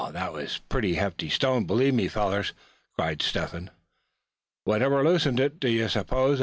that's a pretty hefty stone, believe me, fellers!" cried Step Hen. "Whatever loosened it, d'ye s'pose?"